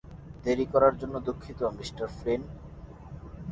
দেরি করার জন্য দুঃখিত মিস্টার ফ্লিন।